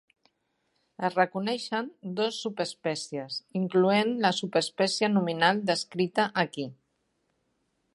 Es reconeixen dos subespècies, incloent la subespècie nominal descrita aquí.